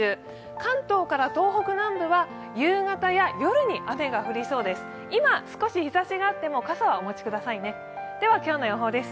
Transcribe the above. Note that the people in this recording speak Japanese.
関東から東北南部は夕方や夜に雨が降りそうです。